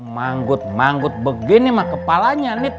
manggut manggut begini mah kepalanya